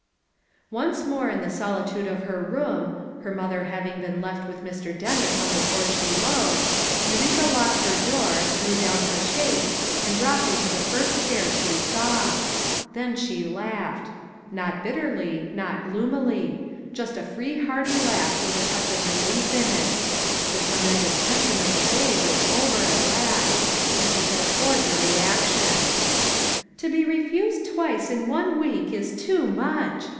ff Onco mora in Iho Holihicle of liar room, her inolhor having been left with Mr. Dennis on 390 FOUR MOTHERS AT CHAUTAUQUA the porch below, Eureka locked her door, drew down her shades and dropped into the first chair she saw. Then she laughed. Not bitterly, not gloomily; just a free hearty laugh with a touch of relief in it. Tlie tremendous tension of the day was over at last, and she could afford the reaction. "To be refused twice in one week is too much!"